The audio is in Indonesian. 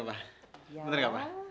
betul gak pak